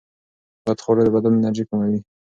بدخواړه د بدن انرژي کموي.